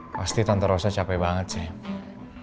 pasti tante rosa capek banget sih